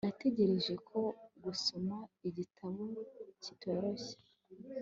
natekereje ko gusoma igitabo kitoroshye